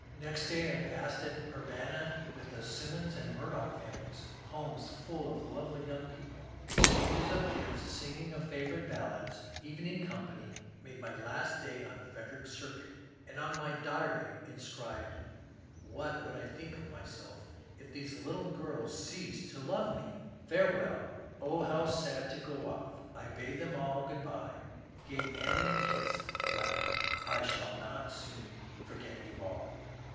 Next day I passed at Urbanna, with the Simmons and Murdoch families, — homes full of lovely young people. Exchanges of gifts, singing of favourite ballads, even ing company, made my last day on Frederick Circuit, and on it my diary inscribed :—^^ What would I think of myself if these little girls ceased to love me I " Farewell ! O how sad to go off. I bade them all good by — gave Annie a kiss — left I I shall not soon forget you all.